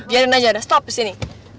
biarin aja ada stop di sini